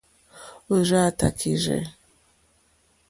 Òrzáā tākírzɛ́.